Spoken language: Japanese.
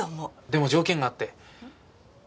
でも条件があって。